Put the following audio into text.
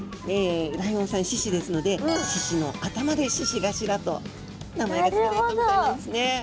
ライオンさん獅子ですので獅子の頭で獅子頭と名前が付けられたみたいなんですね。